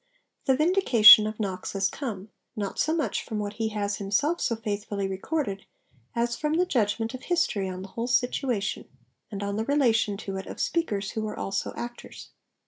The vindication of Knox has come, not so much from what he has himself so faithfully recorded, as from the judgment of history on the whole situation, and on the relation to it of speakers who were also actors.